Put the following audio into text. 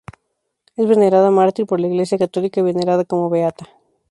Es venerada mártir por la Iglesia católica y venerada como beata.